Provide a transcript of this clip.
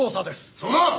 そうだ！